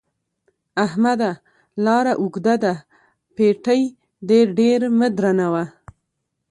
احمده! لاره اوږده ده؛ پېټی دې ډېر مه درنوه.